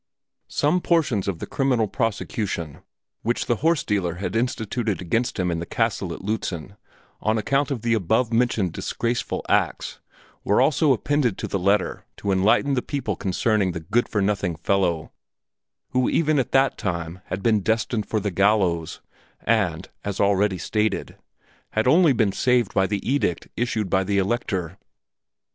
Some portions of the criminal prosecution which the horse dealer had instituted against him in the castle at Lützen on account of the above mentioned disgraceful acts, were also appended to the letter to enlighten the people concerning the good for nothing fellow, who even at that time had been destined for the gallows, and, as already stated, had only been saved by the edict issued by the Elector.